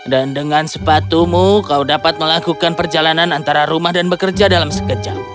dan dengan sepatumu kau dapat melakukan perjalanan antara rumah dan bekerja dalam sekejap